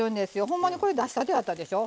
ほんまにこれ出したてだったでしょ。